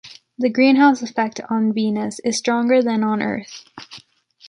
The greenhouse effect on Venus is stronger than on Earth.